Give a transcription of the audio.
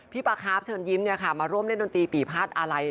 ปลาคาร์ฟเชิญยิ้มมาร่วมเล่นดนตรีปีภาษอะไร